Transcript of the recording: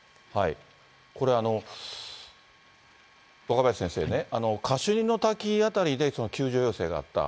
これ、若林先生ね、カシュニの滝辺りで救助要請があった。